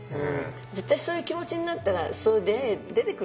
絶対そういう気持ちになったらそういう出会い出てくると思う。